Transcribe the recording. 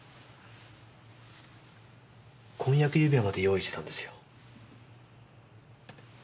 婚約指輪まで用意してたんですよ。